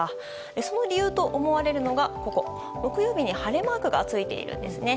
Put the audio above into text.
その理由と思われるのが木曜日に晴れマークがついているんですね。